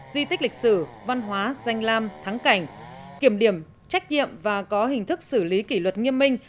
di tích lịch sử văn hóa danh lam thắng cảnh kiểm điểm trách nhiệm và có hình thức xử lý kỷ luật nghiêm minh